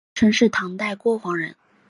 令狐澄是唐代敦煌人。